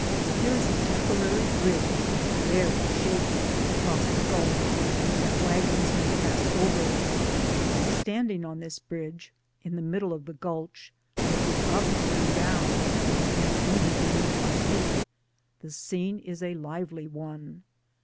There is a temporary bridge (very shaky) across the gulch that wagons may pass over. Standing on this bridge, in the middle of the gulch, looking up and down, and even beneath my feet, the scene is a lively one.